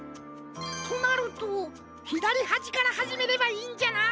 となるとひだりはじからはじめればいいんじゃな。